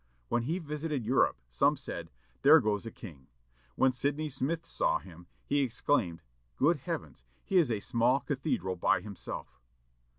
When he visited Europe, some said, "There goes a king." When Sydney Smith saw him, he exclaimed, "Good Heavens! he is a small cathedral by himself."